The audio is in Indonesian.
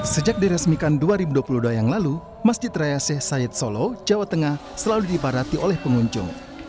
sejak diresmikan dua ribu dua puluh dua yang lalu masjid raya seh sayed solo jawa tengah selalu diibadati oleh pengunjung